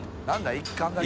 １貫だけ。